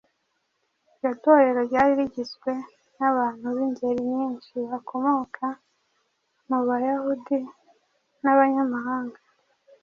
Iryo torero ryari rigizwe n’abantb’ingeri nyinshi bakomoka mu Bayahudi n’Abanyamahanga.